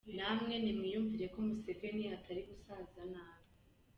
Namwe nimwiyumvire ko Museveni atari gusaza nabi!